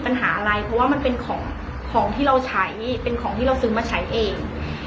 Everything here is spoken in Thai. เพราะว่ามันเป็นของที่เราใช้เป็นของที่เราซื้อมาใช้เอง